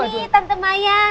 eh ini tante mayang